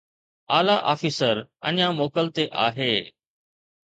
اعليٰ آفيسر اڃا موڪل تي آهي.